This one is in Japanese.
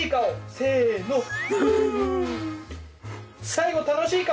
最後楽しい顔！